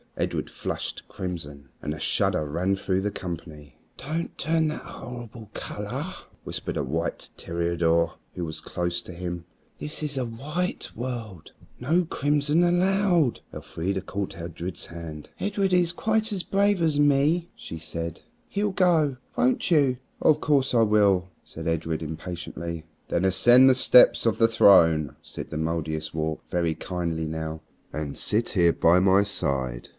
Edred flushed crimson, and a shudder ran through the company. "Don't turn that horrible color," whispered a white toreador who was close to him. "This is the white world. No crimson allowed." Elfrida caught Edred's hand. "Edred is quite as brave as me," she said. "He'll go. Won't you?" "Of course I will," said Edred impatiently. "Then ascend the steps of the throne," said the Mouldiestwarp, very kindly now, "and sit here by my side."